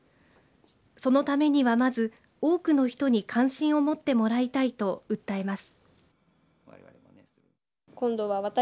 そのためにはまず、多くの人に関心を持ってもらいたいと訴えます。